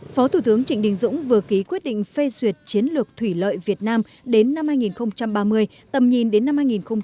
phó thủ tướng trịnh đình dũng vừa ký quyết định phê duyệt chiến lược thủy lợi việt nam đến năm hai nghìn ba mươi tầm nhìn đến năm hai nghìn bốn mươi năm